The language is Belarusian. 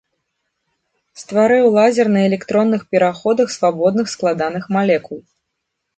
Стварыў лазер на электронных пераходах свабодных складаных малекул.